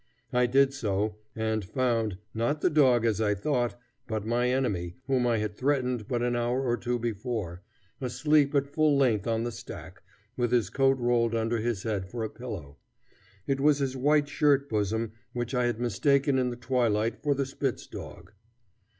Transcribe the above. I did so, and found, not the dog as I thought, but my enemy whom I had threatened but an hour or two before, asleep at full length on the stack, with his coat rolled under his head for a pillow. It was his white shirt bosom which I had mistaken in the twilight for the spitz dog.